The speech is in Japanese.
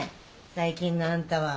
最近のあんたは。